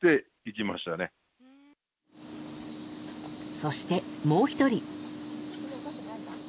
そして、もう１人。